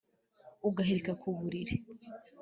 ugahilika ku bulili